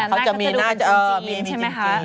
เขาจะมีหน้าเออมีจริง